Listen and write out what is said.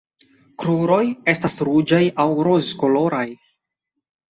Kruroj estas ruĝaj aŭ rozkoloraj.